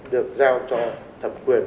được giao cho thẩm quyền